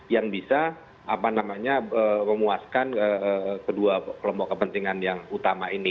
yang bisa memuaskan kedua kelompok kepentingan yang utama ini